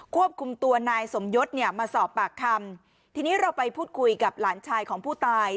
ควบคุมตัวนายสมยศเนี่ยมาสอบปากคำทีนี้เราไปพูดคุยกับหลานชายของผู้ตาย